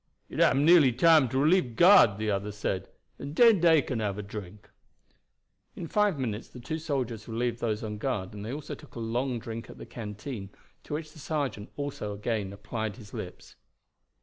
"It am nearly time to relieve guard," the other said; "and den dey can have a drink." In five minutes the two soldiers relieved those on guard, and they also took a long drink at the canteen, to which the sergeant also again applied his lips.